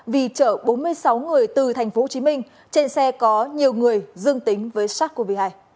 vì chở bốn mươi sáu người từ tp hcm trên xe có nhiều người dương tính với sars cov hai